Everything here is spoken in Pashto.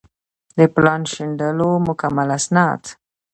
د پلان شنډولو مکمل اسناد